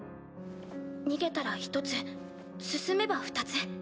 逃げたら１つ進めば２つ。